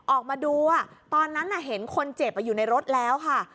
ออกมาดูตอนนั้นเห็นคนเจ็บอยู่ในรถแล้วค่ะ